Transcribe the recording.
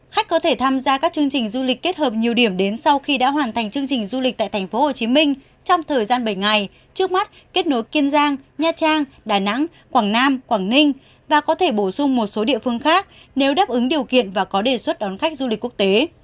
khách có thể tham gia các chương trình du lịch kết hợp nhiều điểm đến sau khi đã hoàn thành chương trình du lịch tại tp hcm trong thời gian bảy ngày trước mắt kết nối kiên giang nha trang đà nẵng quảng nam quảng ninh và có thể bổ sung một số địa phương khác nếu đáp ứng điều kiện và có đề xuất đón khách du lịch quốc tế